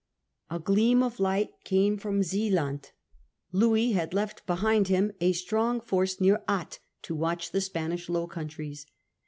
A gleam of light came from Zealand. Louis had (eft behind him a strong force near Ath to watch the Success Spanish Low Countries.